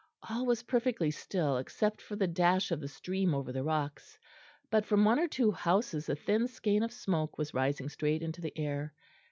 All was perfectly still except for the dash of the stream over the rocks; but from one or two houses a thin skein of smoke was rising straight into the air.